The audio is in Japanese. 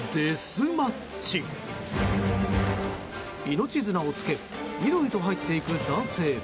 命綱をつけ井戸へと入っていく男性。